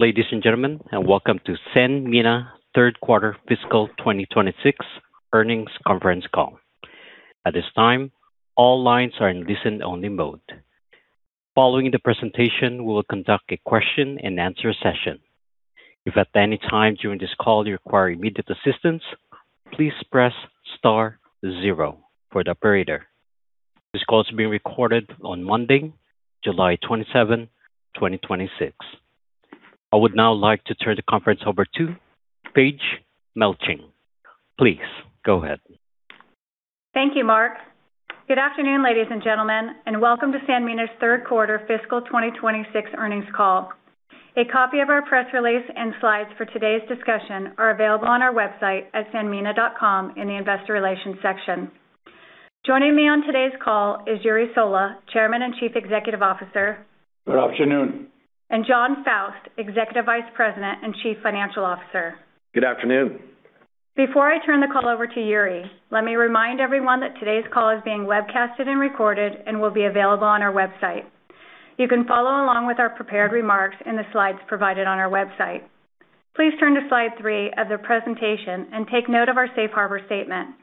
Ladies and gentlemen, welcome to Sanmina third quarter fiscal 2026 earnings conference call. At this time, all lines are in listen-only mode. Following the presentation, we will conduct a question-and-answer session. If at any time during this call you require immediate assistance, please press star zero for the operator. This call is being recorded on Monday, July 27, 2026. I would now like to turn the conference over to Paige Melching. Please go ahead. Thank you, Mark. Good afternoon, ladies and gentlemen, welcome to Sanmina's third quarter fiscal 2026 earnings call. A copy of our press release and slides for today's discussion are available on our website at sanmina.com in the investor relations section. Joining me on today's call is Jure Sola, Chairman and Chief Executive Officer. Good afternoon. Jon Faust, Executive Vice President and Chief Financial Officer. Good afternoon. Before I turn the call over to Jure, let me remind everyone that today's call is being webcasted and recorded and will be available on our website. You can follow along with our prepared remarks in the slides provided on our website. Please turn to slide three of the presentation and take note of our safe harbor statement.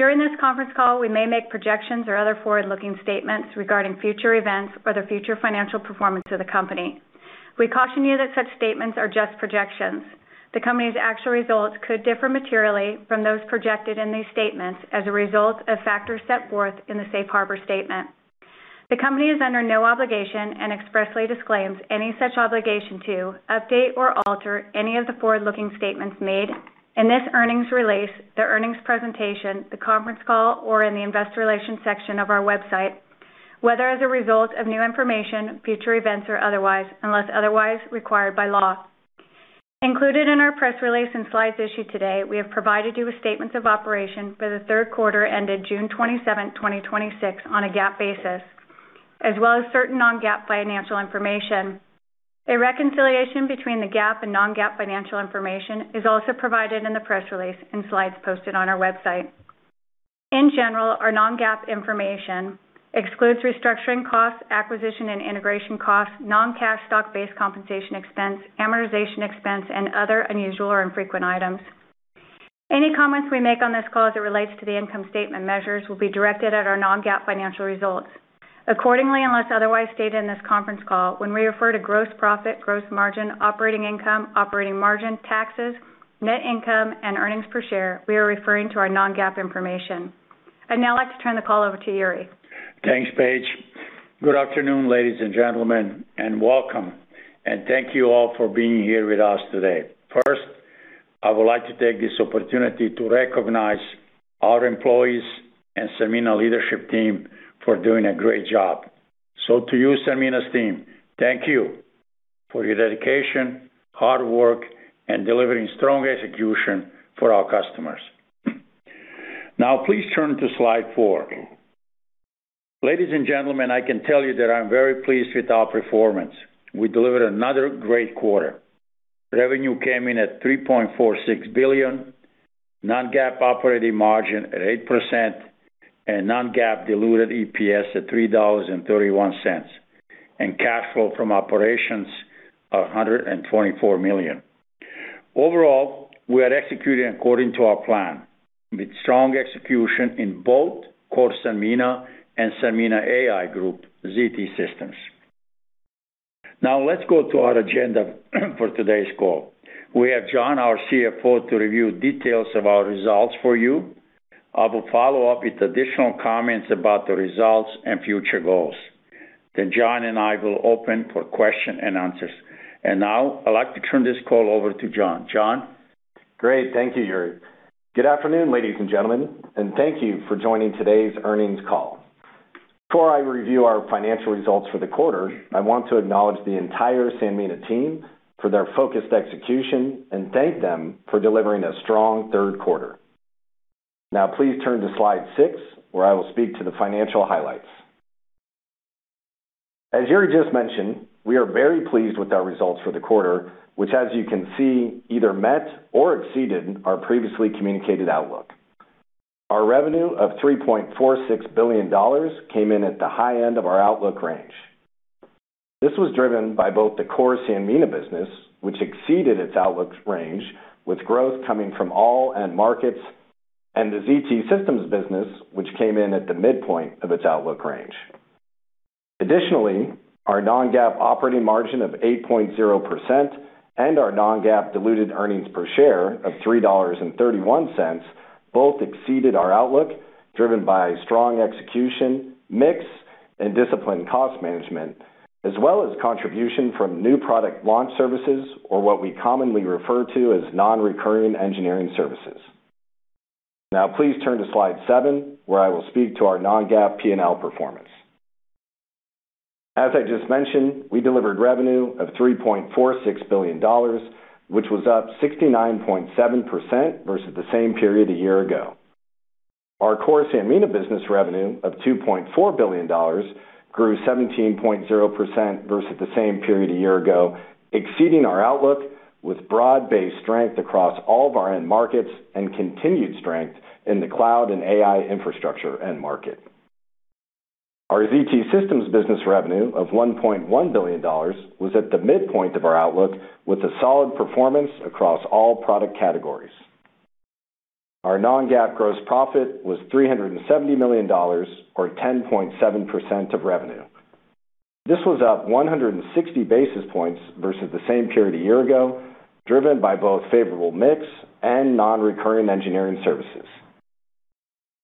During this conference call, we may make projections or other forward-looking statements regarding future events or the future financial performance of the company. We caution you that such statements are just projections. The company's actual results could differ materially from those projected in these statements as a result of factors set forth in the safe harbor statement. The company is under no obligation and expressly disclaims any such obligation to update or alter any of the forward-looking statements made in this earnings release, the earnings presentation, the conference call, or in the Investor Relations section of our website, whether as a result of new information, future events, or otherwise, unless otherwise required by law. Included in our press release and slides issued today, we have provided you with statements of operation for the third quarter ended June 27, 2026, on a GAAP basis, as well as certain non-GAAP financial information. A reconciliation between the GAAP and non-GAAP financial information is also provided in the press release and slides posted on our website. In general, our non-GAAP information excludes restructuring costs, acquisition and integration costs, non-cash stock-based compensation expense, amortization expense, and other unusual or infrequent items. Any comments we make on this call as it relates to the income statement measures will be directed at our non-GAAP financial results. Accordingly, unless otherwise stated in this conference call, when we refer to gross profit, gross margin, operating income, operating margin, taxes, net income, and earnings per share, we are referring to our non-GAAP information. I'd now like to turn the call over to Jure. Thanks, Paige. Good afternoon, ladies and gentlemen, welcome. Thank you all for being here with us today. First, I would like to take this opportunity to recognize our employees and Sanmina leadership team for doing a great job. To you, Sanmina's team, thank you for your dedication, hard work, and delivering strong execution for our customers. Please turn to slide four. Ladies and gentlemen, I can tell you that I'm very pleased with our performance. We delivered another great quarter. Revenue came in at $3.46 billion, non-GAAP operating margin at 8%, non-GAAP diluted EPS at $3.31, and cash flow from operations of $124 million. Overall, we are executing according to our plan, with strong execution in both core Sanmina and Sanmina AI group, ZT Systems. Let's go to our agenda for today's call. We have Jon, our CFO, to review details of our results for you. I will follow up with additional comments about the results and future goals. Jon and I will open for question and answers. Now, I'd like to turn this call over to Jon. Jon? Great. Thank you, Jure. Good afternoon, ladies and gentlemen. Thank you for joining today's earnings call. Before I review our financial results for the quarter, I want to acknowledge the entire Sanmina team for their focused execution and thank them for delivering a strong third quarter. Please turn to slide six, where I will speak to the financial highlights. As Jure just mentioned, we are very pleased with our results for the quarter, which as you can see, either met or exceeded our previously communicated outlook. Our revenue of $3.46 billion came in at the high end of our outlook range. This was driven by both the core Sanmina business, which exceeded its outlook range, with growth coming from all end markets, and the ZT Systems business, which came in at the midpoint of its outlook range. Additionally, our non-GAAP operating margin of 8.0% and our non-GAAP diluted earnings per share of $3.31 both exceeded our outlook, driven by strong execution, mix, and disciplined cost management, as well as contribution from new product launch services or what we commonly refer to as non-recurring engineering services. Please turn to slide seven, where I will speak to our non-GAAP P&L performance. As I just mentioned, we delivered revenue of $3.46 billion, which was up 69.7% versus the same period a year ago. Our core Sanmina business revenue of $2.4 billion grew 17.0% versus the same period a year ago, exceeding our outlook with broad-based strength across all of our end markets and continued strength in the cloud and AI infrastructure end market. Our ZT Systems business revenue of $1.1 billion was at the midpoint of our outlook with a solid performance across all product categories. Our non-GAAP gross profit was $370 million, or 10.7% of revenue. This was up 160 basis points versus the same period a year ago, driven by both favorable mix and non-recurring engineering services.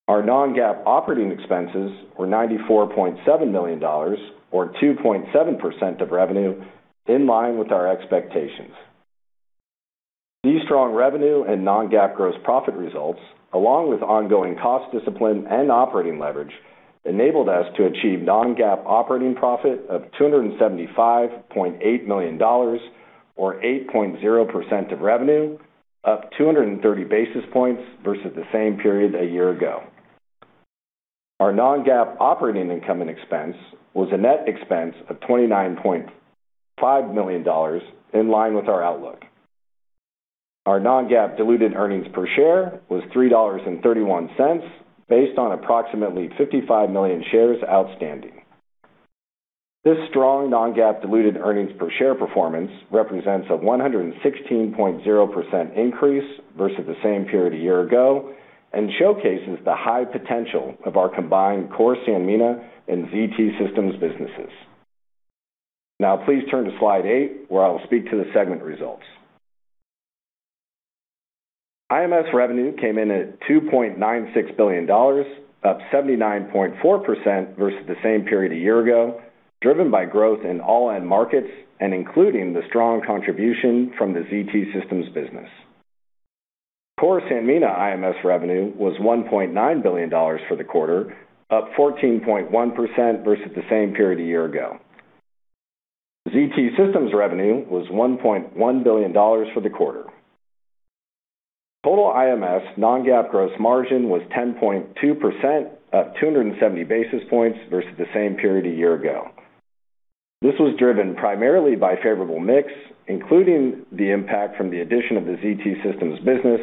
Our non-GAAP operating expenses were $94.7 million, or 2.7% of revenue, in line with our expectations. These strong revenue and non-GAAP gross profit results, along with ongoing cost discipline and operating leverage, enabled us to achieve non-GAAP operating profit of $275.8 million, or 8.0% of revenue, up 230 basis points versus the same period a year ago. Our non-GAAP operating income and expense was a net expense of $29.5 million, in line with our outlook. Our non-GAAP diluted earnings per share was $3.31, based on approximately 55 million shares outstanding. This strong non-GAAP diluted earnings per share performance represents a 116.0% increase versus the same period a year ago and showcases the high potential of our combined core Sanmina and ZT Systems businesses. Now, please turn to slide eight, where I will speak to the segment results. IMS revenue came in at $2.96 billion, up 79.4% versus the same period a year ago, driven by growth in all end markets and including the strong contribution from the ZT Systems business. Core Sanmina IMS revenue was $1.9 billion for the quarter, up 14.1% versus the same period a year ago. ZT Systems revenue was $1.1 billion for the quarter. Total IMS non-GAAP gross margin was 10.2%, up 270 basis points versus the same period a year ago. This was driven primarily by favorable mix, including the impact from the addition of the ZT Systems business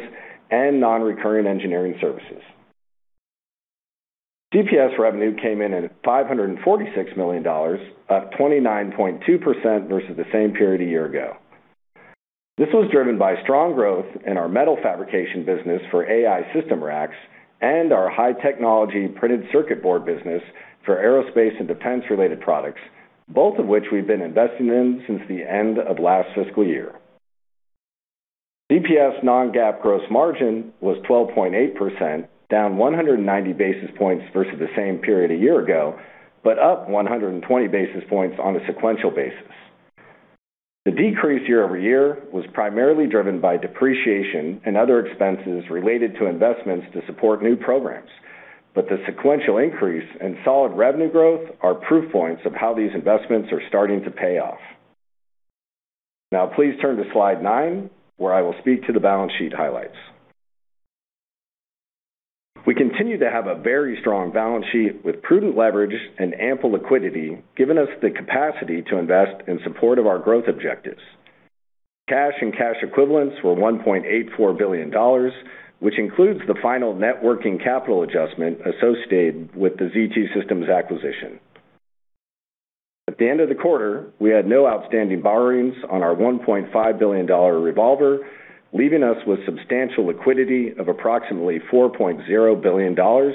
and non-recurring engineering services. CPS revenue came in at $546 million, up 29.2% versus the same period a year ago. This was driven by strong growth in our metal fabrication business for AI system racks and our high-technology printed circuit board business for aerospace and defense-related products, both of which we've been investing in since the end of last fiscal year. CPS non-GAAP gross margin was 12.8%, down 190 basis points versus the same period a year ago, but up 120 basis points on a sequential basis. The decrease year-over-year was primarily driven by depreciation and other expenses related to investments to support new programs. The sequential increase and solid revenue growth are proof points of how these investments are starting to pay off. Now, please turn to slide nine, where I will speak to the balance sheet highlights. We continue to have a very strong balance sheet with prudent leverage and ample liquidity, giving us the capacity to invest in support of our growth objectives. Cash and cash equivalents were $1.84 billion, which includes the final net working capital adjustment associated with the ZT Systems acquisition. At the end of the quarter, we had no outstanding borrowings on our $1.5 billion revolver, leaving us with substantial liquidity of approximately $4.0 billion,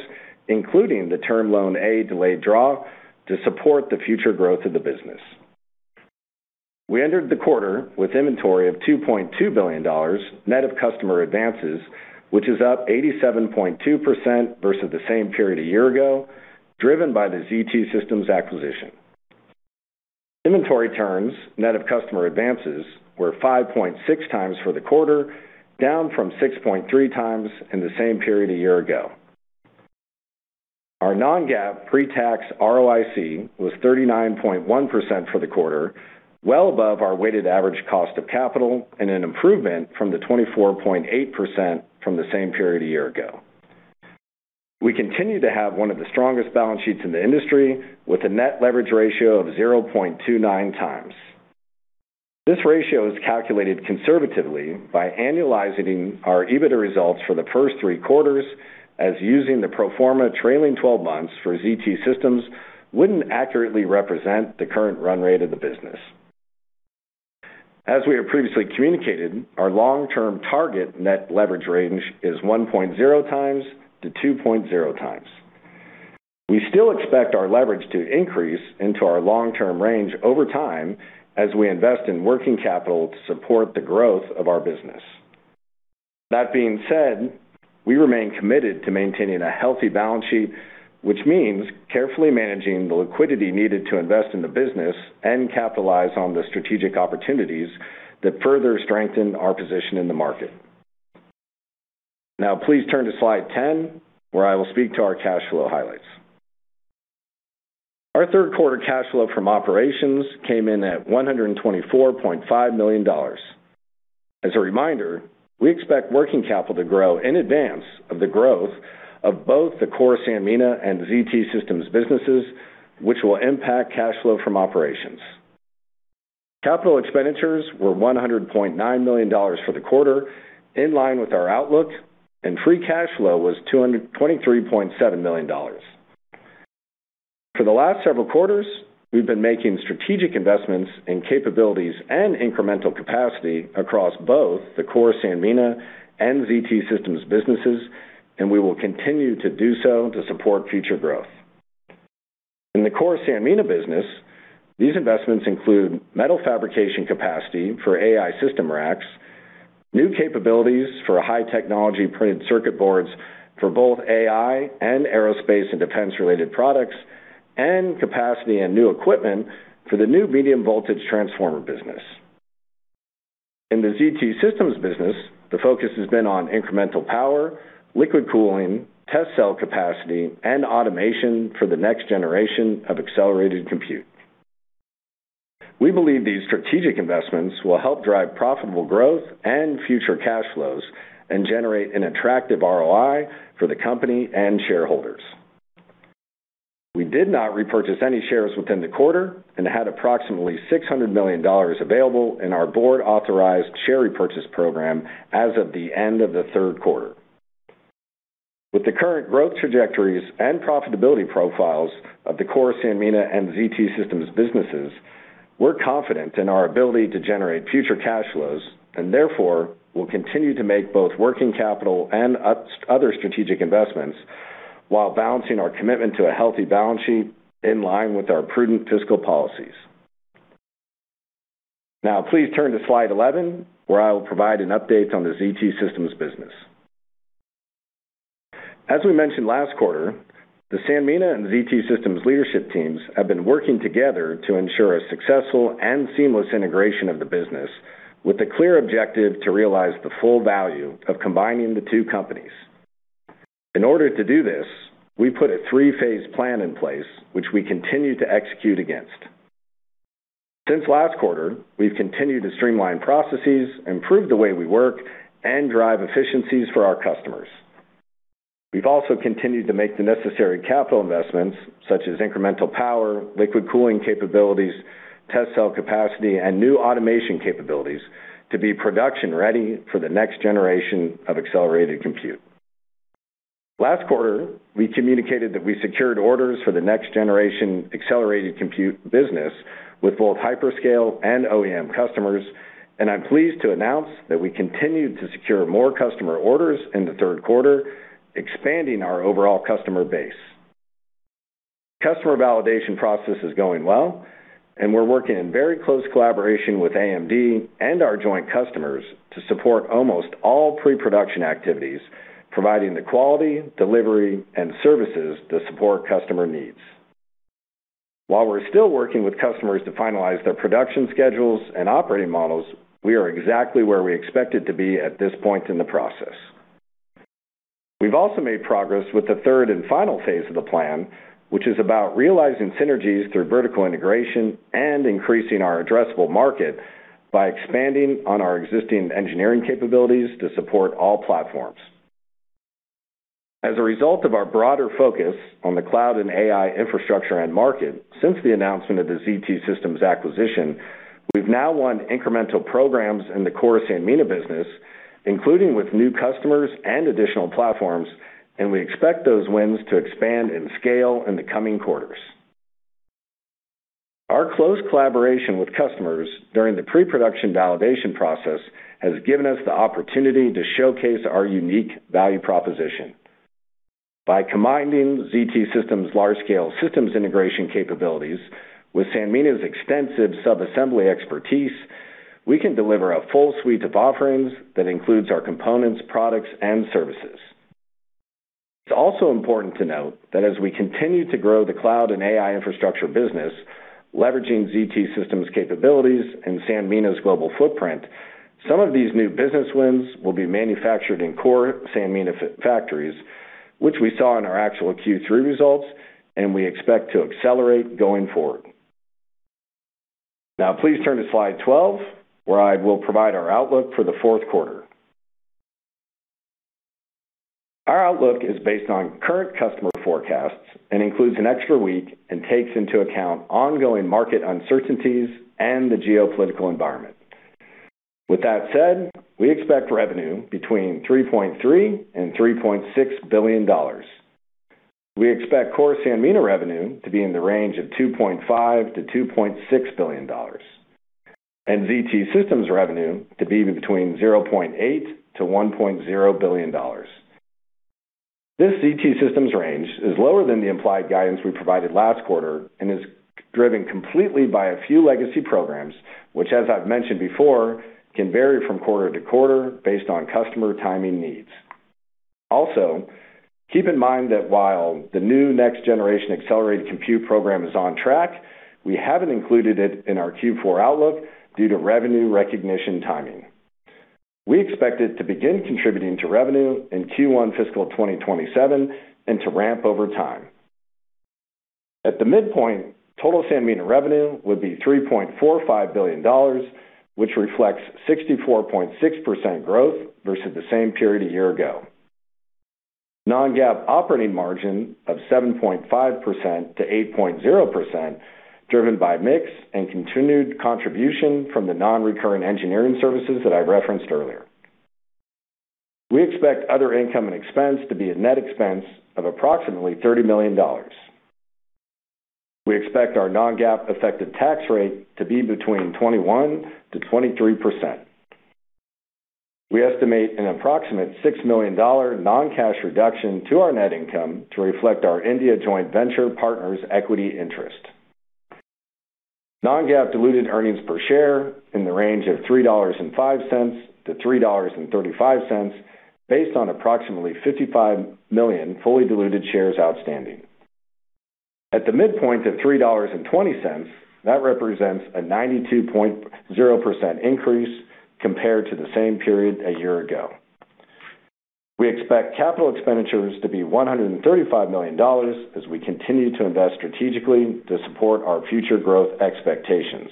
including the term loan A delayed draw to support the future growth of the business. We entered the quarter with inventory of $2.2 billion, net of customer advances, which is up 87.2% versus the same period a year ago, driven by the ZT Systems acquisition. Inventory turns, net of customer advances, were 5.6x for the quarter, down from 6.3x in the same period a year ago. Our non-GAAP pre-tax ROIC was 39.1% for the quarter, well above our weighted average cost of capital and an improvement from the 24.8% from the same period a year ago. We continue to have one of the strongest balance sheets in the industry with a net leverage ratio of 0.29x. This ratio is calculated conservatively by annualizing our EBITDA results for the first three quarters, as using the pro forma trailing 12 months for ZT Systems wouldn't accurately represent the current run rate of the business. As we have previously communicated, our long-term target net leverage range is 1.0x-2.0x. We still expect our leverage to increase into our long-term range over time as we invest in working capital to support the growth of our business. That being said, we remain committed to maintaining a healthy balance sheet, which means carefully managing the liquidity needed to invest in the business and capitalize on the strategic opportunities that further strengthen our position in the market. Now, please turn to slide 10, where I will speak to our cash flow highlights. Our third quarter cash flow from operations came in at $124.5 million. As a reminder, we expect working capital to grow in advance of the growth of both the core Sanmina and ZT Systems businesses, which will impact cash flow from operations. Capital expenditures were $100.9 million for the quarter, in line with our outlook, and free cash flow was $223.7 million. For the last several quarters, we've been making strategic investments in capabilities and incremental capacity across both the core Sanmina and ZT Systems businesses, and we will continue to do so to support future growth. In the core Sanmina business, these investments include metal fabrication capacity for AI system racks, new capabilities for high technology printed circuit boards for both AI and aerospace and defense-related products, and capacity and new equipment for the new medium-voltage transformer business. In the ZT Systems business, the focus has been on incremental power, liquid cooling, test cell capacity, and automation for the next generation of accelerated compute. We believe these strategic investments will help drive profitable growth and future cash flows and generate an attractive ROI for the company and shareholders. We did not repurchase any shares within the quarter and had approximately $600 million available in our board-authorized share repurchase program as of the end of the third quarter. With the current growth trajectories and profitability profiles of the core Sanmina and ZT Systems businesses, we're confident in our ability to generate future cash flows and therefore will continue to make both working capital and other strategic investments while balancing our commitment to a healthy balance sheet in line with our prudent fiscal policies. Now, please turn to slide 11, where I will provide an update on the ZT Systems business. As we mentioned last quarter, the Sanmina and ZT Systems leadership teams have been working together to ensure a successful and seamless integration of the business with a clear objective to realize the full value of combining the two companies. In order to do this, we put a three-phase plan in place, which we continue to execute against. Since last quarter, we've continued to streamline processes, improve the way we work, and drive efficiencies for our customers. We've also continued to make the necessary capital investments such as incremental power, liquid cooling capabilities, test cell capacity, and new automation capabilities to be production-ready for the next generation of accelerated compute. Last quarter, we communicated that we secured orders for the next generation accelerated compute business with both hyperscale and OEM customers, and I'm pleased to announce that we continued to secure more customer orders in the third quarter, expanding our overall customer base. Customer validation process is going well, and we're working in very close collaboration with AMD and our joint customers to support almost all pre-production activities, providing the quality, delivery, and services to support customer needs. While we're still working with customers to finalize their production schedules and operating models, we are exactly where we expected to be at this point in the process. We've also made progress with the third and final phase of the plan, which is about realizing synergies through vertical integration and increasing our addressable market by expanding on our existing engineering capabilities to support all platforms. As a result of our broader focus on the cloud and AI infrastructure end market since the announcement of the ZT Systems acquisition, we've now won incremental programs in the core Sanmina business, including with new customers and additional platforms. We expect those wins to expand in scale in the coming quarters. Our close collaboration with customers during the pre-production validation process has given us the opportunity to showcase our unique value proposition. By combining ZT Systems' large-scale systems integration capabilities with Sanmina's extensive sub-assembly expertise, we can deliver a full suite of offerings that includes our Components, Products and Services. It's also important to note that as we continue to grow the cloud and AI infrastructure business, leveraging ZT Systems capabilities and Sanmina's global footprint, some of these new business wins will be manufactured in core Sanmina factories, which we saw in our actual Q3 results, and we expect to accelerate going forward. Please turn to slide 12, where I will provide our outlook for the fourth quarter. Our outlook is based on current customer forecasts and includes an extra week and takes into account ongoing market uncertainties and the geopolitical environment. With that said, we expect revenue between $3.3 billion-$3.6 billion. We expect core Sanmina revenue to be in the range of $2.5 billion-$2.6 billion, and ZT Systems revenue to be between $0.8 billion-$1.0 billion. This ZT Systems range is lower than the implied guidance we provided last quarter and is driven completely by a few legacy programs, which, as I've mentioned before, can vary from quarter to quarter based on customer timing needs. Keep in mind that while the new next-generation accelerated compute program is on track, we haven't included it in our Q4 outlook due to revenue recognition timing. We expect it to begin contributing to revenue in Q1 fiscal 2027 and to ramp over time. At the midpoint, total Sanmina revenue would be $3.45 billion, which reflects 64.6% growth versus the same period a year ago. Non-GAAP operating margin of 7.5%-8.0%, driven by mix and continued contribution from the non-recurring engineering services that I referenced earlier. We expect other income and expense to be a net expense of approximately $30 million. We expect our non-GAAP effective tax rate to be between 21%-23%. We estimate an approximate $6 million non-cash reduction to our net income to reflect our India joint venture partner's equity interest. Non-GAAP diluted earnings per share in the range of $3.05-$3.35, based on approximately 55 million fully-diluted shares outstanding. At the midpoint of $3.20, that represents a 92.0% increase compared to the same period a year ago. We expect capital expenditures to be $135 million as we continue to invest strategically to support our future growth expectations.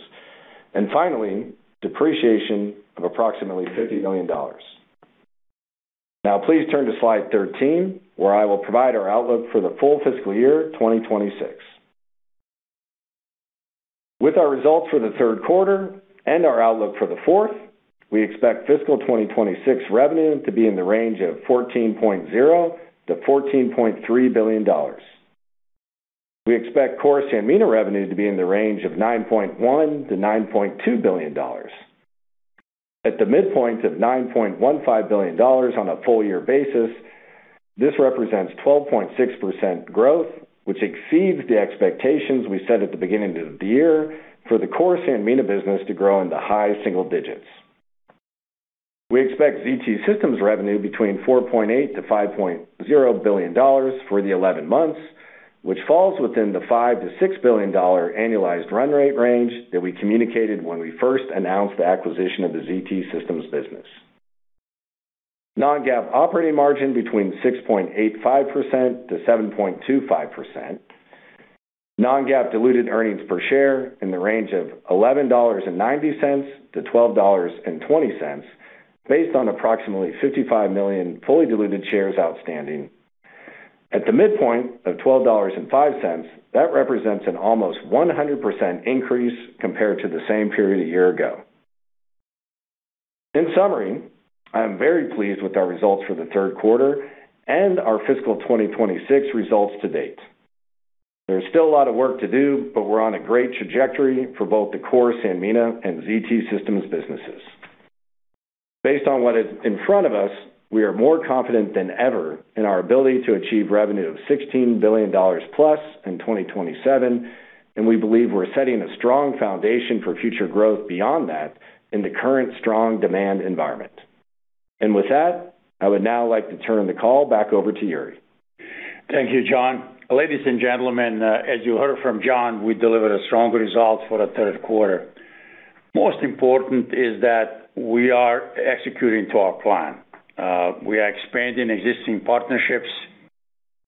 Finally, depreciation of approximately $50 million. Please turn to slide 13, where I will provide our outlook for the full fiscal year 2026. With our results for the third quarter and our outlook for the fourth, we expect fiscal 2026 revenue to be in the range of $14.0 billion-$14.3 billion. We expect core Sanmina revenue to be in the range of $9.1 billion-$9.2 billion. At the midpoint of $9.15 billion on a full year basis, this represents 12.6% growth, which exceeds the expectations we set at the beginning of the year for the core Sanmina business to grow into high single-digits. We expect ZT Systems revenue between $4.8 billion-$5.0 billion for the 11 months, which falls within the $5 billion-$6 billion annualized run rate range that we communicated when we first announced the acquisition of the ZT Systems business. Non-GAAP operating margin between 6.85%-7.25%. Non-GAAP diluted earnings per share in the range of $11.90-$12.20, based on approximately 55 million fully-diluted shares outstanding. At the midpoint of $12.05, that represents an almost 100% increase compared to the same period a year ago. In summary, I am very pleased with our results for the third quarter and our fiscal 2026 results to date. There is still a lot of work to do, but we're on a great trajectory for both the core Sanmina and ZT Systems businesses. Based on what is in front of us, we are more confident than ever in our ability to achieve revenue of $16+ billion in 2027, and we believe we're setting a strong foundation for future growth beyond that in the current strong demand environment. With that, I would now like to turn the call back over to Jure. Thank you, Jon. Ladies and gentlemen, as you heard from Jon, we delivered strong results for the third quarter. Most important is that we are executing to our plan. We are expanding existing partnerships.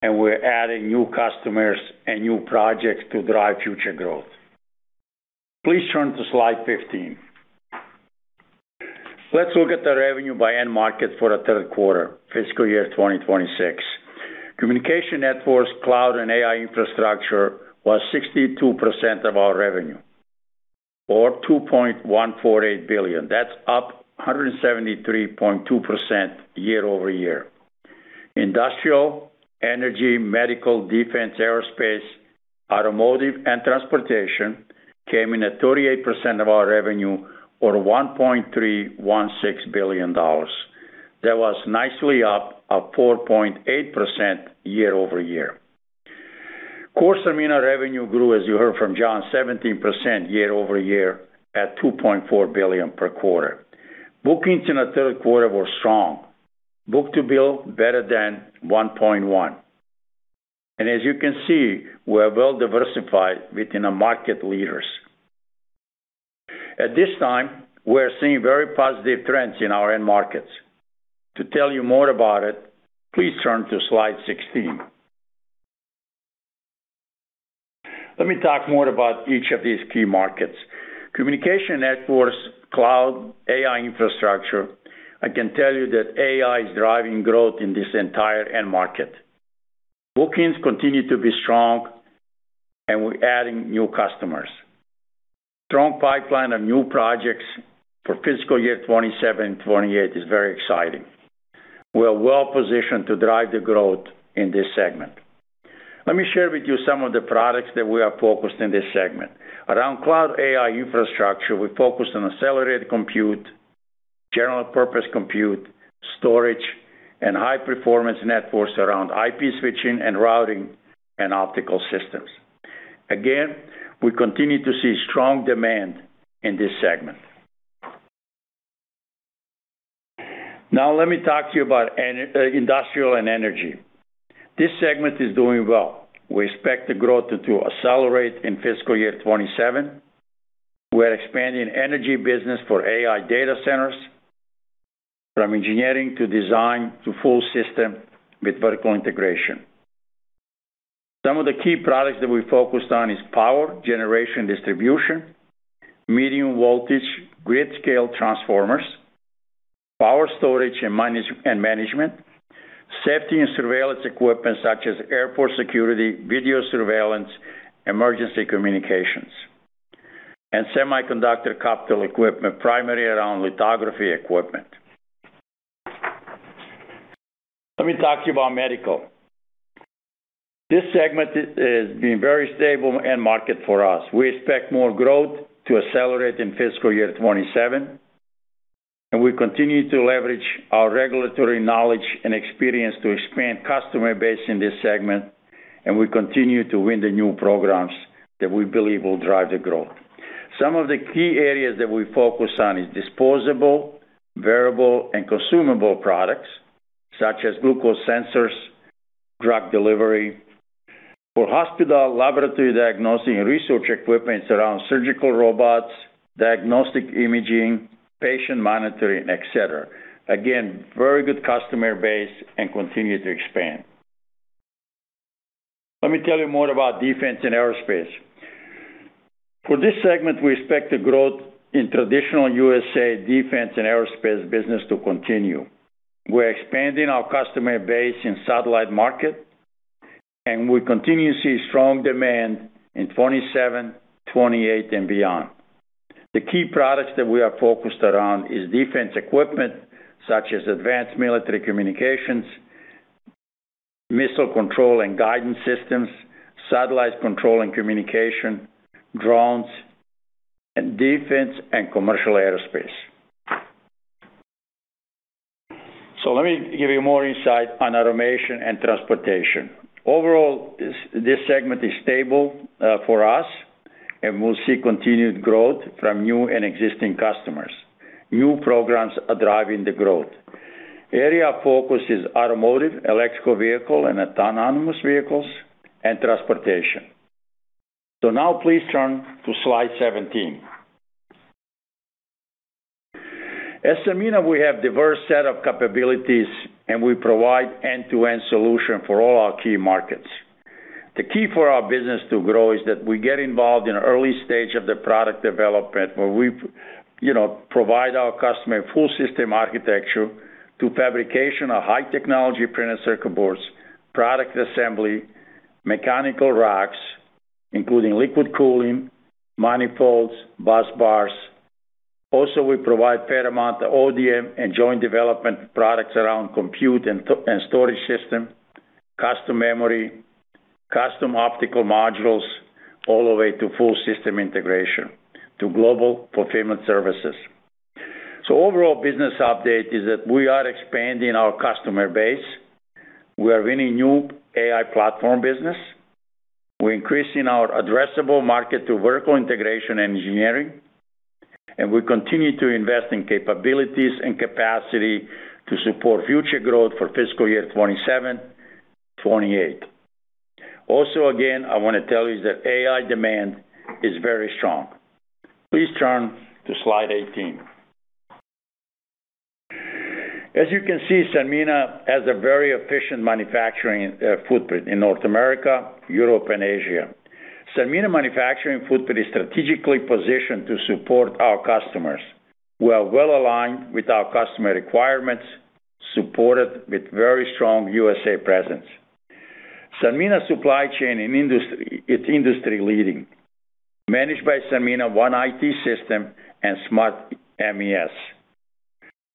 We're adding new customers and new projects to drive future growth. Please turn to slide 15. Let's look at the revenue by end market for the third quarter, fiscal year 2026. Communication networks, cloud, and AI infrastructure was 62% of our revenue, or $2.148 billion. That's up 173.2% year-over-year. Industrial, energy, medical, defense, aerospace, automotive, and transportation came in at 38% of our revenue, or $1.316 billion. That was nicely up 4.8% year-over-year. Core Sanmina revenue grew, as you heard from Jon, 17% year-over-year at $2.4 billion per quarter. Bookings in the third quarter were strong, book-to-bill better than 1.1. As you can see, we are well-diversified within the market leaders. At this time, we are seeing very positive trends in our end markets. To tell you more about it, please turn to slide 16. Let me talk more about each of these key markets. Communication networks, cloud, AI infrastructure, I can tell you that AI is driving growth in this entire end market. Bookings continue to be strong, and we are adding new customers. Strong pipeline of new projects for fiscal year 2027 and 2028 is very exciting. We are well positioned to drive the growth in this segment. Let me share with you some of the products that we are focused in this segment. Around cloud AI infrastructure, we focus on accelerated compute, general purpose compute, storage, and high-performance networks around IP switching and routing and optical systems. Again, we continue to see strong demand in this segment. Now, let me talk to you about industrial and energy. This segment is doing well. We expect the growth to accelerate in fiscal year 2027. We are expanding energy business for AI data centers from engineering to design to full system with vertical integration. Some of the key products that we focused on is power generation distribution, medium voltage, grid scale transformers, power storage and management, safety and surveillance equipment such as airport security, video surveillance, emergency communications, and semiconductor capital equipment, primarily around lithography equipment. Let me talk to you about medical. This segment has been very stable end market for us. We expect more growth to accelerate in fiscal year 2027, and we continue to leverage our regulatory knowledge and experience to expand customer base in this segment, and we continue to win the new programs that we believe will drive the growth. Some of the key areas that we focus on is disposable, wearable, and consumable products, such as glucose sensors, drug delivery. For hospital laboratory diagnosing research equipment around surgical robots, diagnostic imaging, patient monitoring, et cetera. Again, very good customer base and continue to expand. Let me tell you more about defense and aerospace. For this segment, we expect the growth in traditional U.S.A. defense and aerospace business to continue. We are expanding our customer base in satellite market, and we continue to see strong demand in 2027, 2028, and beyond. The key products that we are focused around is defense equipment, such as advanced military communications, missile control and guidance systems, satellite control and communication, drones, and defense and commercial aerospace. Let me give you more insight on automation and transportation. Overall, this segment is stable for us, and we will see continued growth from new and existing customers. New programs are driving the growth. Area of focus is automotive, electrical vehicle, and autonomous vehicles, and transportation. Please turn to slide 17. At Sanmina, we have diverse set of capabilities, and we provide end-to-end solution for all our key markets. The key for our business to grow is that we get involved in early stage of the product development, where we provide our customer full system architecture to fabrication of high technology printed circuit boards, product assembly, mechanical racks, including liquid cooling, manifolds, busbars. Also, we provide paramount ODM and joint development products around compute and storage system, custom memory, custom optical modules, all the way to full-system integration to global fulfillment services. Overall business update is that we are expanding our customer base. We are winning new AI platform business. We're increasing our addressable market to vertical integration engineering, and we continue to invest in capabilities and capacity to support future growth for fiscal year 2027, 2028. Again, I want to tell you that AI demand is very strong. Please turn to slide 18. As you can see, Sanmina has a very efficient manufacturing footprint in North America, Europe, and Asia. Sanmina manufacturing footprint is strategically positioned to support our customers. We are well-aligned with our customer requirements, supported with very strong U.S.A. presence. Sanmina supply chain, it's industry leading, managed by Sanmina One IT system and smart MES.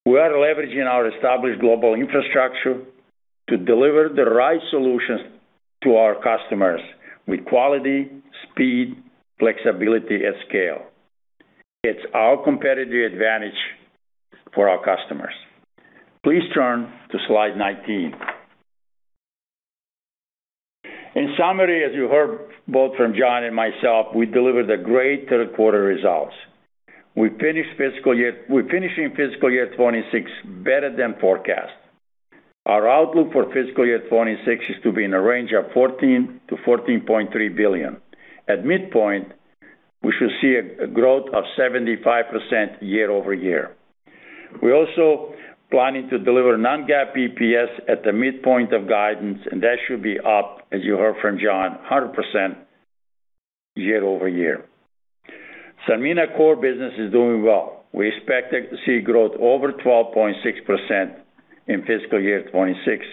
We are leveraging our established global infrastructure to deliver the right solutions to our customers with quality, speed, flexibility, and scale. It's our competitive advantage for our customers. Please turn to slide 19. In summary, as you heard both from Jon and myself, we delivered a great third quarter results. We're finishing fiscal year 2026 better than forecast. Our outlook for fiscal year 2026 is to be in a range of $14 billion-$14.3 billion. At midpoint, we should see a growth of 75% year-over-year. We're also planning to deliver non-GAAP EPS at the midpoint of guidance, and that should be up, as you heard from Jon, 100% year-over-year. Sanmina core business is doing well. We expect to see growth over 12.6% in fiscal year 2026,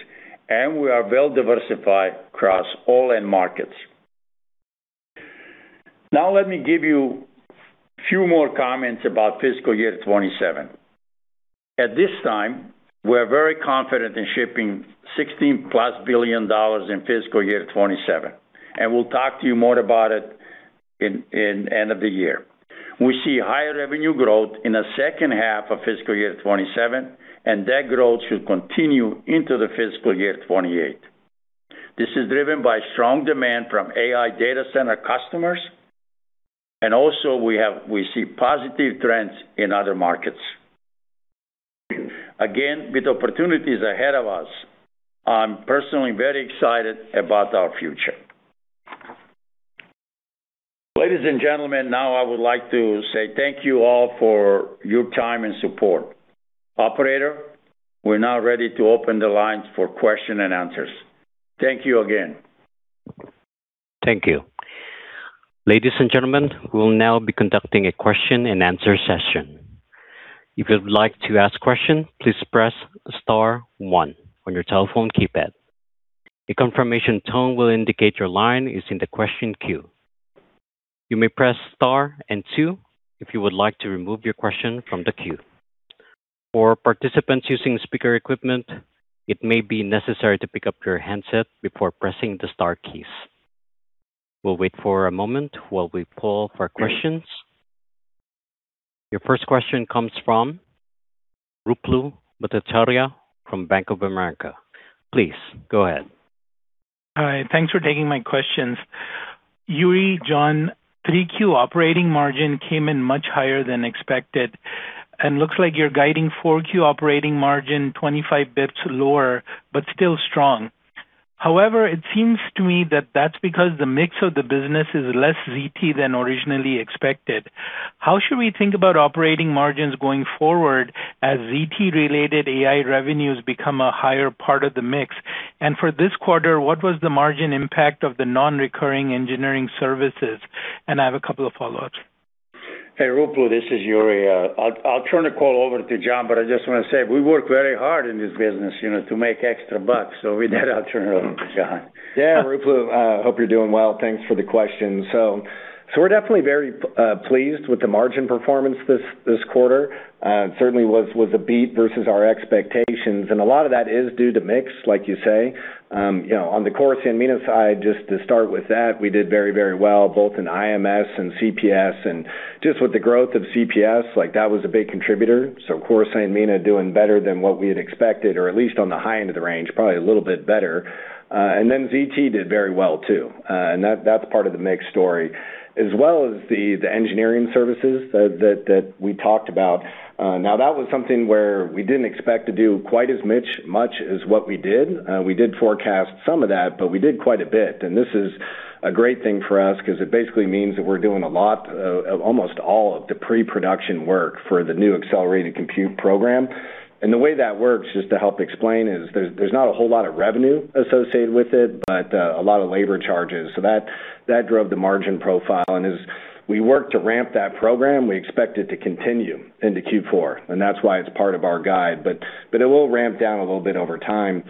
and we are well diversified across all end markets. Now, let me give you few more comments about fiscal year 2027. At this time, we're very confident in shipping $16+ billion in fiscal year 2027, and we'll talk to you more about it in end of the year. We see higher revenue growth in the second half of fiscal year 2027, and that growth should continue into the fiscal year 2028. This is driven by strong demand from AI data center customers. Also, we see positive trends in other markets. Again, with opportunities ahead of us, I'm personally very excited about our future. Ladies and gentlemen, I would like to say thank you all for your time and support. Operator, we're now ready to open the lines for question and answers. Thank you again. Thank you. Ladies and gentlemen, we'll now be conducting a question-and-answer session. If you'd like to ask question, please press star one on your telephone keypad. A confirmation tone will indicate your line is in the question queue. You may press star and two if you would like to remove your question from the queue. For participants using speaker equipment, it may be necessary to pick up your handset before pressing the star keys. We'll wait for a moment while we poll for questions. Your first question comes from Ruplu Bhattacharya from Bank of America. Please go ahead. Hi. Thanks for taking my questions. Jure, Jon, 3Q operating margin came in much higher than expected. Looks like you're guiding 4Q operating margin 25 basis points lower, but still strong. However, it seems to me that that's because the mix of the business is less ZT than originally expected. How should we think about operating margins going forward as ZT-related AI revenues become a higher part of the mix? For this quarter, what was the margin impact of the non-recurring engineering services? I have a couple of follow-ups. Hey, Ruplu, this is Jure. I'll turn the call over to Jon, but I just want to say we work very hard in this business to make extra bucks. With that, I'll turn it over to Jon. Ruplu, hope you're doing well. Thanks for the question. We're definitely very pleased with the margin performance this quarter. Certainly was a beat versus our expectations, a lot of that is due to mix, like you say. On the core Sanmina side, just to start with that, we did very well, both in IMS and CPS and just with the growth of CPS, like that was a big contributor. Core Sanmina doing better than what we had expected, or at least on the high end of the range, probably a little bit better. ZT did very well, too. That's part of the mix story, as well as the engineering services that we talked about. That was something where we didn't expect to do quite as much as what we did. We did forecast some of that, we did quite a bit. This is a great thing for us because it basically means that we're doing a lot, almost all of the pre-production work for the new accelerated compute program. The way that works, just to help explain, is there's not a whole lot of revenue associated with it, but a lot of labor charges. That drove the margin profile. As we work to ramp that program, we expect it to continue into Q4, that's why it's part of our guide. It will ramp down a little bit over time.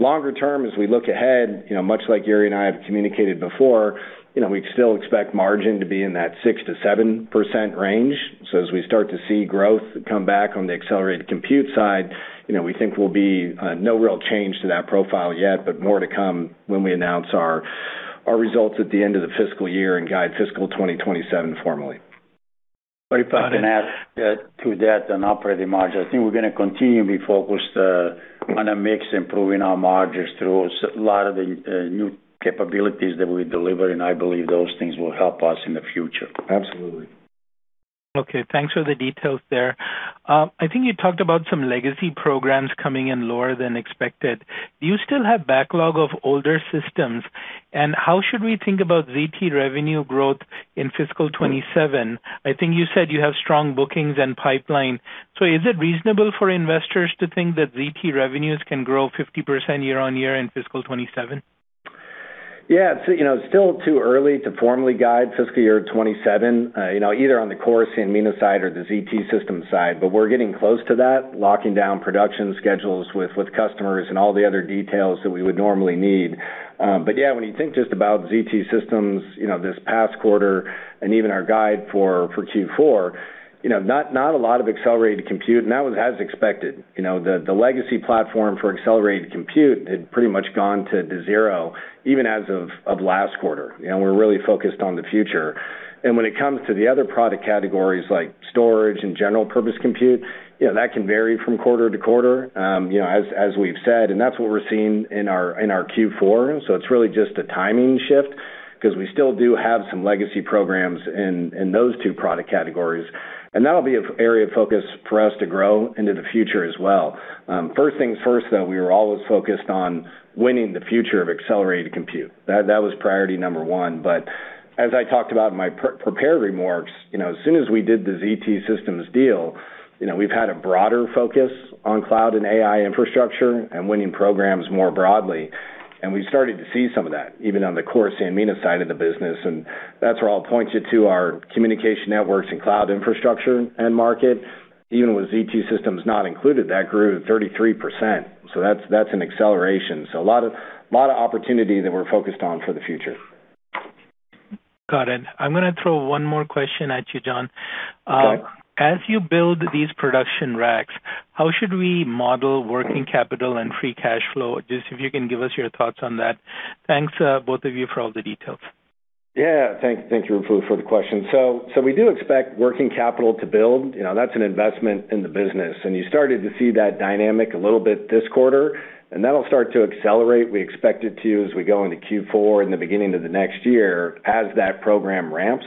Longer term, as we look ahead, much like Jure and I have communicated before, we'd still expect margin to be in that 6%-7% range. As we start to see growth come back on the accelerated compute side, we think we'll be no real change to that profile yet, but more to come when we announce our results at the end of the fiscal year and guide fiscal 2027 formally. Got it. If I can add to that on operating margin, I think we're going to continue to be focused on a mix, improving our margins through a lot of the new capabilities that we deliver, and I believe those things will help us in the future. Absolutely. Thanks for the details there. I think you talked about some legacy programs coming in lower than expected. Do you still have backlog of older systems? How should we think about ZT revenue growth in fiscal 2027? I think you said you have strong bookings and pipeline. Is it reasonable for investors to think that ZT revenues can grow 50% year-on-year in fiscal 2027? It's still too early to formally guide fiscal year 2027, either on the core Sanmina side or the ZT Systems side. We're getting close to that, locking down production schedules with customers and all the other details that we would normally need. When you think just about ZT Systems this past quarter and even our guide for Q4, not a lot of accelerated compute, and that was as expected. The legacy platform for accelerated compute had pretty much gone to zero, even as of last quarter. We're really focused on the future. When it comes to the other product categories like storage and general purpose compute, that can vary from quarter to quarter, as we've said, and that's what we're seeing in our Q4. It's really just a timing shift because we still do have some legacy programs in those two product categories, and that'll be an area of focus for us to grow into the future as well. First things first, though, we were always focused on winning the future of accelerated compute. That was priority number one. As I talked about in my prepared remarks, as soon as we did the ZT Systems deal, we've had a broader focus on cloud and AI infrastructure and winning programs more broadly, and we've started to see some of that, even on the core Sanmina side of the business, and that's where I'll point you to our communication networks and cloud infrastructure end market. Even with ZT Systems not included, that grew 33%, that's an acceleration. A lot of opportunity that we're focused on for the future. Got it. I'm going to throw one more question at you, Jon. Go ahead. As you build these production racks, how should we model working capital and free cash flow? Just if you can give us your thoughts on that. Thanks, both of you, for all the details. Thank you, Ruplu, for the question. We do expect working capital to build. That's an investment in the business, and you started to see that dynamic a little bit this quarter, and that'll start to accelerate. We expect it to as we go into Q4 in the beginning of the next year as that program ramps.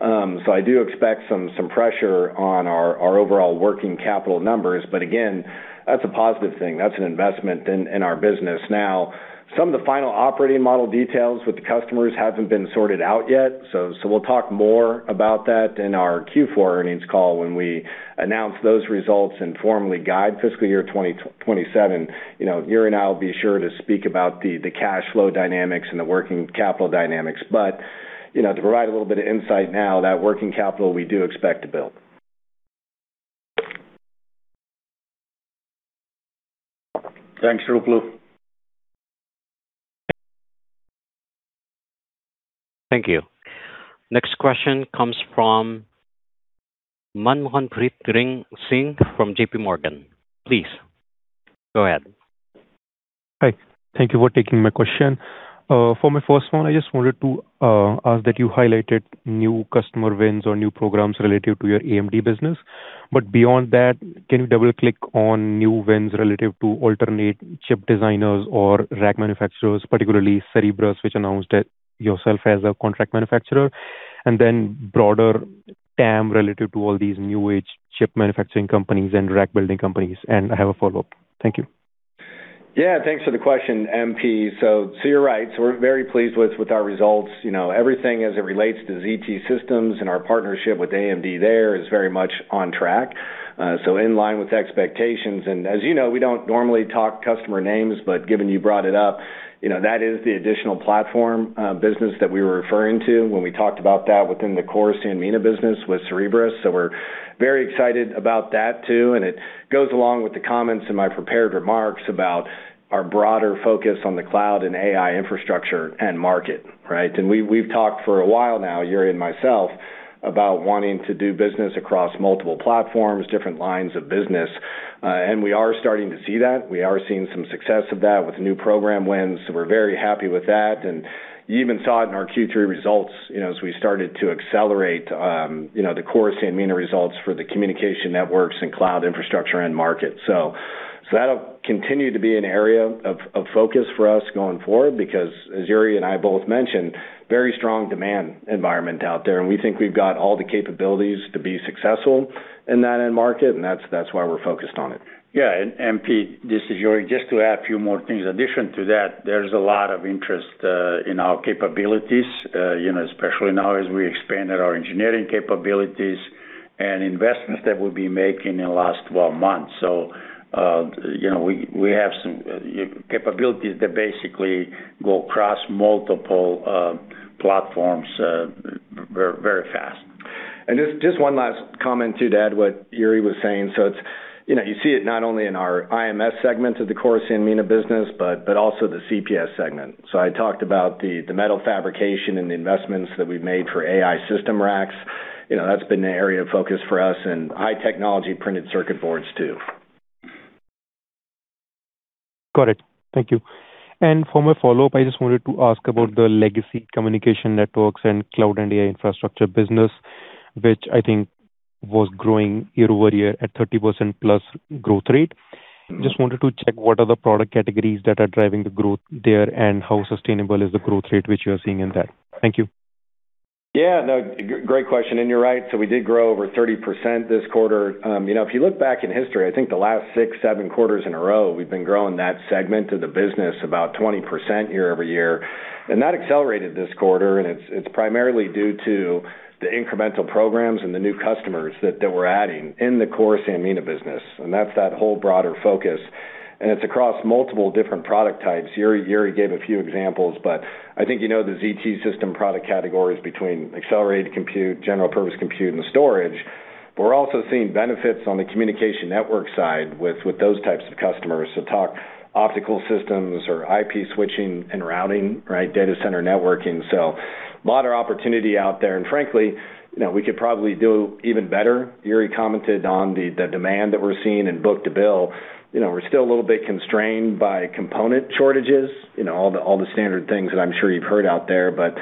I do expect some pressure on our overall working capital numbers. Again, that's a positive thing. That's an investment in our business. Some of the final operating model details with the customers haven't been sorted out yet, so we'll talk more about that in our Q4 earnings call when we announce those results and formally guide fiscal year 2027. Jure and I will be sure to speak about the cash flow dynamics and the working capital dynamics. To provide a little bit of insight now, that working capital we do expect to build. Thanks, Ruplu. Thank you. Next question comes from Manmohanpreet Singh from JPMorgan. Please go ahead. Hi. Thank you for taking my question. For my first one, I just wanted to ask that you highlighted new customer wins or new programs related to your AMD business. Beyond that, can you double-click on new wins relative to alternate chip designers or rack manufacturers, particularly Cerebras, which announced yourself as a contract manufacturer, and then broader TAM relative to all these new age chip manufacturing companies and rack building companies? I have a follow-up. Thank you. Thanks for the question, MP. You're right. We're very pleased with our results. Everything as it relates to ZT Systems and our partnership with AMD there is very much on track. In line with expectations. As you know, we don't normally talk customer names, but given you brought it up, that is the additional platform business that we were referring to when we talked about that within the core Sanmina business with Cerebras. We're very excited about that too, and it goes along with the comments in my prepared remarks about our broader focus on the cloud and AI infrastructure end market. We've talked for a while now, Jure and myself, about wanting to do business across multiple platforms, different lines of business. We are starting to see that. We are seeing some success of that with new program wins. We're very happy with that. You even saw it in our Q3 results, as we started to accelerate the core Sanmina results for the communication networks and cloud infrastructure end market. That'll continue to be an area of focus for us going forward because, as Jure and I both mentioned, very strong demand environment out there, and we think we've got all the capabilities to be successful in that end market, and that's why we're focused on it. MP, this is Jure. Just to add a few more things. In addition to that, there's a lot of interest in our capabilities, especially now as we expanded our engineering capabilities and investments that we've been making in the last 12 months. We have some capabilities that basically go across multiple platforms very fast. Just one last comment too to add to what Jure was saying. You see it not only in our IMS segment of the core Sanmina business, but also the CPS segment. I talked about the metal fabrication and the investments that we've made for AI system racks. That's been an area of focus for us in high-technology printed circuit boards too. Got it. Thank you. For my follow-up, I just wanted to ask about the legacy communication networks and cloud and AI infrastructure business, which I think was growing year-over-year at 30%+ growth rate. Just wanted to check what are the product categories that are driving the growth there, and how sustainable is the growth rate which you are seeing in that? Thank you. Great question. You're right. We did grow over 30% this quarter. If you look back in history, I think the last six, seven quarters in a row, we've been growing that segment of the business about 20% year-over-year. That accelerated this quarter, and it's primarily due to the incremental programs and the new customers that we're adding in the core Sanmina business, and that's that whole broader focus, and it's across multiple different product types. Jure gave a few examples, but I think you know the ZT Systems product categories between accelerated compute, general purpose compute, and storage. But we're also seeing benefits on the communication network side with those types of customers. Talk optical systems or IP switching and routing, data center networking. A lot of opportunity out there. Frankly, we could probably do even better. Jure commented on the demand that we're seeing in book-to-bill. We're still a little bit constrained by component shortages, all the standard things that I'm sure you've heard out there, but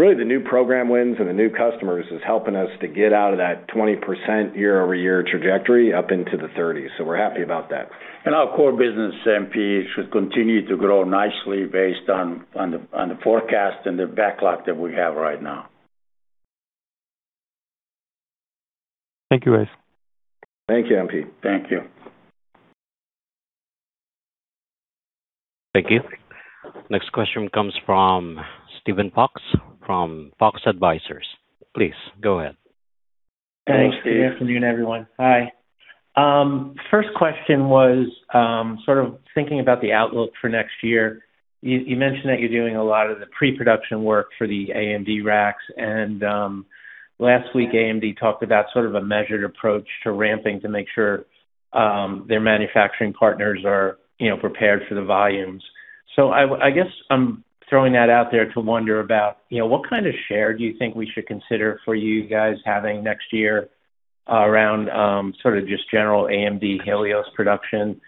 really the new program wins and the new customers is helping us to get out of that 20% year-over-year trajectory up into the 30% range. We're happy about that. Our core business, MP, should continue to grow nicely based on the forecast and the backlog that we have right now. Thank you, guys. Thank you, MP. Thank you. Thank you. Next question comes from Steven Fox from Fox Advisors. Please go ahead. Thanks, Steve. Good afternoon, everyone. Hi. First question was sort of thinking about the outlook for next year. You mentioned that you're doing a lot of the pre-production work for the AMD racks. Last week, AMD talked about sort of a measured approach to ramping to make sure their manufacturing partners are prepared for the volumes. I guess I'm throwing that out there to wonder about what kind of share do you think we should consider for you guys having next year around sort of just general AMD Helios production.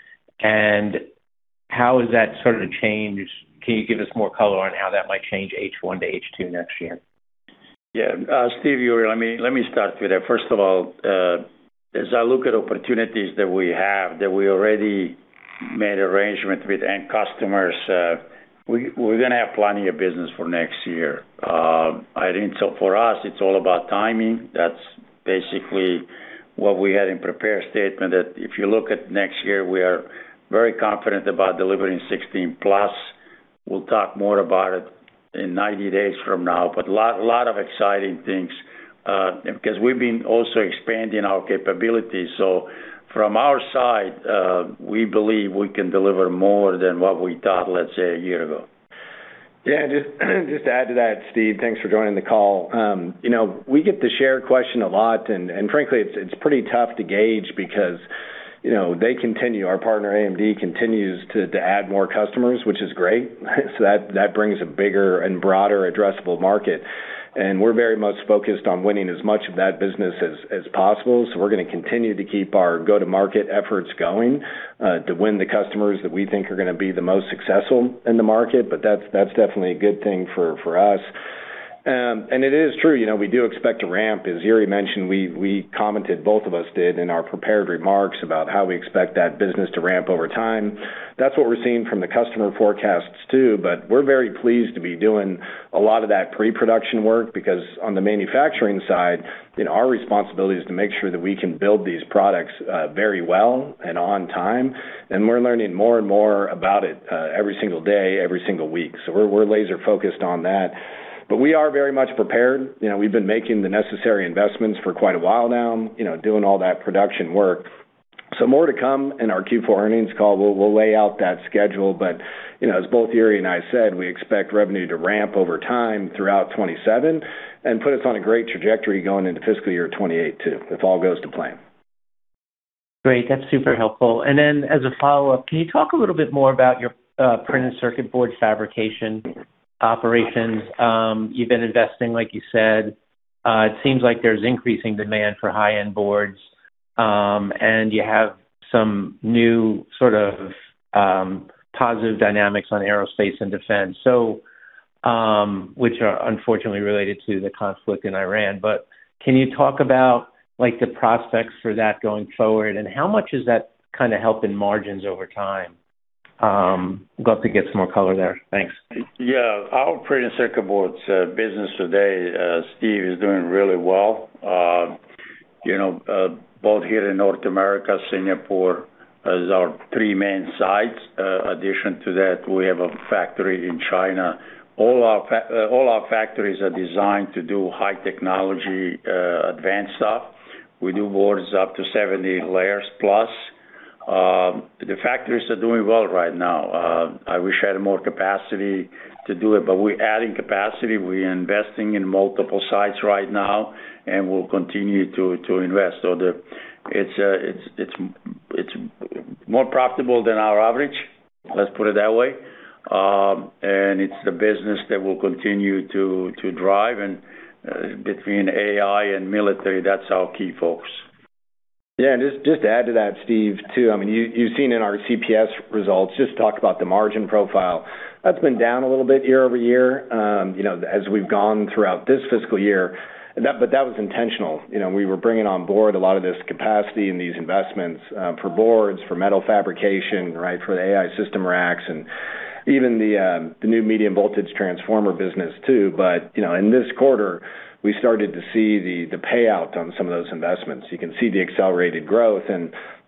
How does that sort of change? Can you give us more color on how that might change H1 to H2 next year? Steve, Jure. Let me start with you there. First of all, as I look at opportunities that we have that we already made arrangement with end customers. We're going to have plenty of business for next year. I think so for us, it's all about timing. That's basically what we had in prepared statement, that if you look at next year, we are very confident about delivering 16+. We'll talk more about it in 90 days from now. Lot of exciting things, because we've been also expanding our capabilities. From our side, we believe we can deliver more than what we thought, let's say, a year ago. Just to add to that, Steve, thanks for joining the call. We get the share question a lot, and frankly, it's pretty tough to gauge because they continue, our partner, AMD, continues to add more customers, which is great. That brings a bigger and broader addressable market, and we're very much focused on winning as much of that business as possible. We're going to continue to keep our go-to-market efforts going, to win the customers that we think are going to be the most successful in the market, but that's definitely a good thing for us. It is true, we do expect to ramp. As Jure mentioned, we commented, both of us did, in our prepared remarks about how we expect that business to ramp over time. That's what we're seeing from the customer forecasts too. We're very pleased to be doing a lot of that pre-production work because on the manufacturing side, our responsibility is to make sure that we can build these products very well and on time, and we're learning more and more about it every single day, every single week. We're laser-focused on that. We are very much prepared. We've been making the necessary investments for quite a while now, doing all that production work. More to come in our Q4 earnings call. We'll lay out that schedule. As both Jure and I said, we expect revenue to ramp over time throughout 2027, and put us on a great trajectory going into fiscal year 2028 too, if all goes to plan. Great. That's super helpful. Then as a follow-up, can you talk a little bit more about your printed circuit board fabrication operations? You've been investing, like you said. It seems like there's increasing demand for high-end boards, and you have some new sort of positive dynamics on aerospace and defense, which are unfortunately related to the conflict in Iran. Can you talk about the prospects for that going forward, and how much is that kind of helping margins over time? Love to get some more color there. Thanks. Our printed circuit boards business today, Steve, is doing really well. Both here in North America, Singapore, as our three main sites. In addition to that, we have a factory in China. All our factories are designed to do high technology advanced stuff. We do boards up to 70+ layers. The factories are doing well right now. I wish I had more capacity to do it, but we're adding capacity. We're investing in multiple sites right now, and we'll continue to invest. It's more profitable than our average, let's put it that way. It's the business that will continue to drive, and between AI and military, that's our key focus. Just to add to that, Steve, too, you've seen in our CPS results, just talk about the margin profile. That's been down a little bit year-over-year as we've gone throughout this fiscal year. That was intentional. We were bringing on board a lot of this capacity and these investments for boards, for metal fabrication. For the AI system racks, and even the new medium-voltage transformer business too. In this quarter, we started to see the payout on some of those investments. You can see the accelerated growth.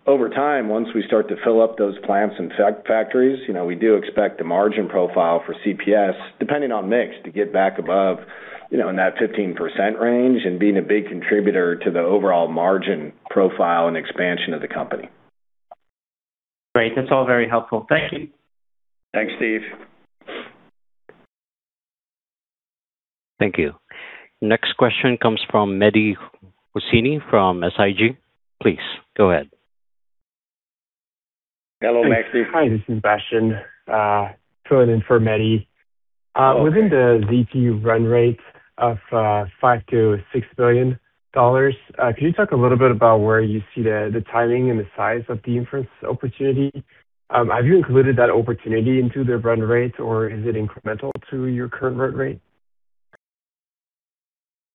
Over time, once we start to fill up those plants and factories, we do expect the margin profile for CPS, depending on mix, to get back above in that 15% range, and being a big contributor to the overall margin profile and expansion of the company. Great. That's all very helpful. Thank you. Thanks, Steve. Thank you. Next question comes from Mehdi Hosseini from SIG. Please go ahead. Hello, Mehdi. Hi, this is Bastien, filling in for Mehdi. Within the ZT run rate of $5 billion-$6 billion, can you talk a little bit about where you see the timing and the size of the inference opportunity? Have you included that opportunity into the run rate, or is it incremental to your current run rate?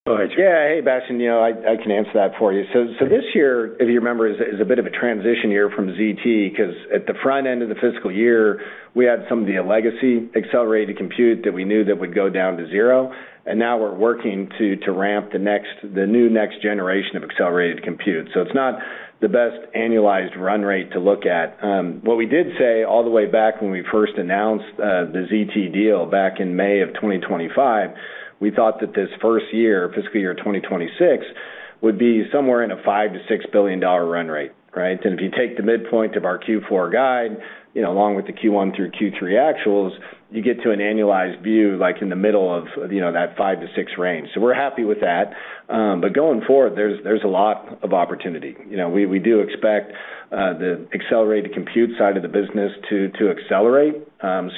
Hey, Bastien. I can answer that for you. This year, if you remember, is a bit of a transition year from ZT, because at the front end of the fiscal year, we had some of the legacy accelerated compute that we knew that would go down to zero, and now we're working to ramp the new next generation of accelerated compute. It's not the best annualized run rate to look at. What we did say all the way back when we first announced the ZT deal back in May of 2025, we thought that this first year, fiscal year 2026, would be somewhere in a $5 billion-$6 billion run rate. If you take the midpoint of our Q4 guide, along with the Q1 through Q3 actuals, you get to an annualized view like in the middle of that $5 billion-$6 billion range. We're happy with that. Going forward, there's a lot of opportunity. We do expect the accelerated compute side of the business to accelerate.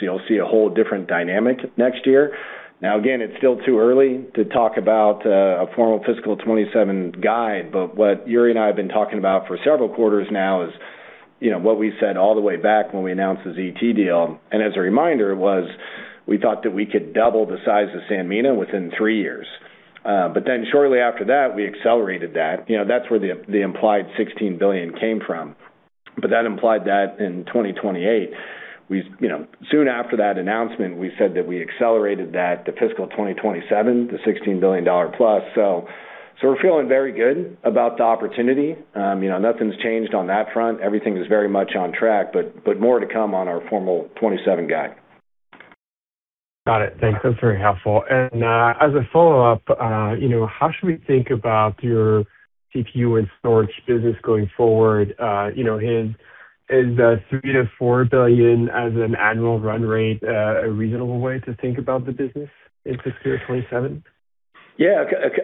You'll see a whole different dynamic next year. Again, it's still too early to talk about a formal fiscal 2027 guide, but what Jure and I have been talking about for several quarters now is what we said all the way back when we announced the ZT deal. As a reminder was we thought that we could double the size of Sanmina within three years. Shortly after that, we accelerated that. That's where the implied $16 billion came from. That implied that in 2028. Soon after that announcement, we said that we accelerated that to fiscal 2027, the $16+ billion. We're feeling very good about the opportunity. Nothing's changed on that front. Everything is very much on track. More to come on our formal 2027 guide. Got it. Thanks. That's very helpful. As a follow-up, how should we think about your CPU and storage business going forward? Is $3 billion-$4 billion as an annual run rate a reasonable way to think about the business in fiscal year 2027?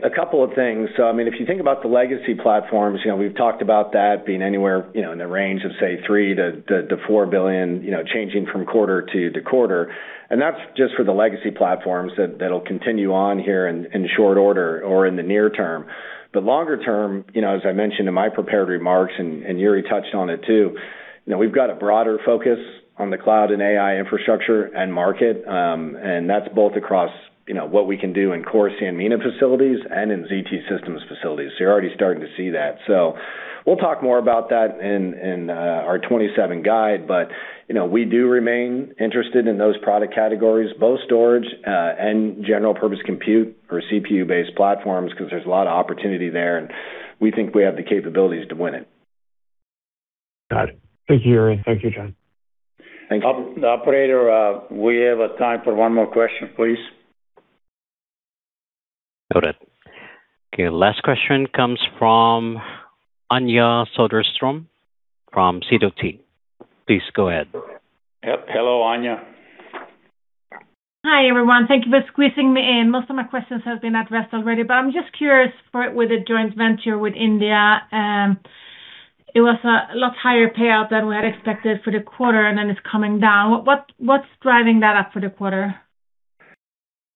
A couple of things. If you think about the legacy platforms, we've talked about that being anywhere in the range of, say, $3 billion-$4 billion, changing from quarter to quarter. That's just for the legacy platforms that'll continue on here in short order or in the near term. Longer term, as I mentioned in my prepared remarks, and Jure touched on it, too, we've got a broader focus on the cloud and AI infrastructure and market. That's both across what we can do in core Sanmina facilities and in ZT Systems facilities. You're already starting to see that. We'll talk more about that in our 2027 guide, but we do remain interested in those product categories, both storage, and general purpose compute or CPU-based platforms, because there's a lot of opportunity there, and we think we have the capabilities to win it. Got it. Thank you, Jure. Thank you, Jon. Thanks. Operator, we have time for one more question, please. Noted. Last question comes from Anja Soderstrom from Sidoti. Please go ahead. Hello, Anja. Hi, everyone. Thank you for squeezing me in. Most of my questions have been addressed already. I'm just curious, with the joint venture with India, it was a lot higher payout than we had expected for the quarter, and then it's coming down. What's driving that up for the quarter?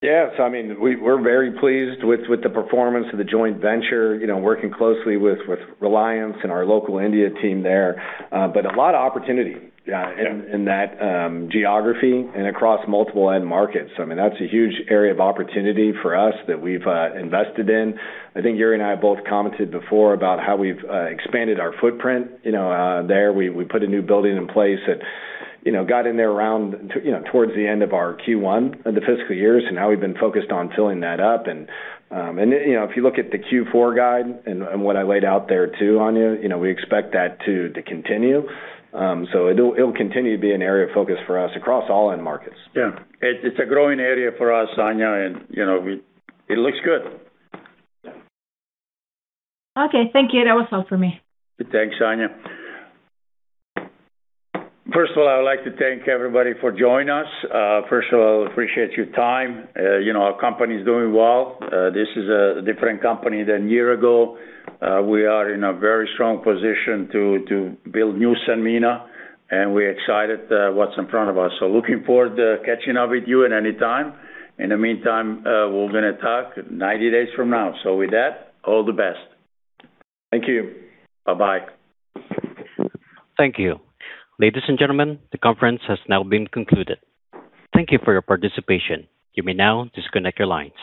We're very pleased with the performance of the joint venture, working closely with Reliance and our local India team there. A lot of opportunity in that geography and across multiple end markets. That's a huge area of opportunity for us that we've invested in. I think Jure and I both commented before about how we've expanded our footprint there. We put a new building in place that got in there around towards the end of our Q1 of the fiscal year. Now, we've been focused on filling that up. If you look at the Q4 guide and what I laid out there, too, Anja, we expect that to continue. It'll continue to be an area of focus for us across all end markets. It's a growing area for us, Anja, and it looks good. Thank you. That was all for me. Thanks, Anja. First of all, I would like to thank everybody for joining us. I appreciate your time. Our company is doing well. This is a different company than a year ago. We are in a very strong position to build new Sanmina, and we're excited what's in front of us. Looking forward to catching up with you at any time. In the meantime, we're going to talk 90 days from now. With that, all the best. Thank you. Bye-bye. Thank you. Ladies and gentlemen, the conference has now been concluded. Thank you for your participation. You may now disconnect your lines.